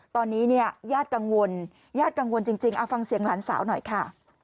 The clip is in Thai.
ตอนนี้เนี่ยญาติกังวลเอาฟังเสียงหลานสาวหน่อยค่ะ